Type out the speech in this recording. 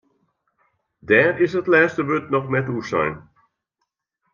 Dêr is it lêste wurd noch net oer sein.